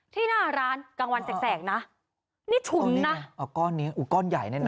ที่หน้าร้านกลางวันแสกนะนี่ฉุนนะเอาก้อนนี้อู้ก้อนใหญ่เนี่ยนะ